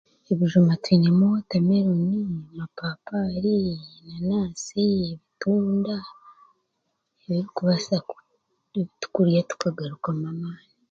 Ebijuuma tweine mu wotameroni, amapapaali, enanasi, ebitunda ebitukurya tukagarukamu amaani.